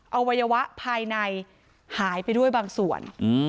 อวัยวะภายในหายไปด้วยบางส่วน